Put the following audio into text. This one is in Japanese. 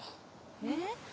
えっ？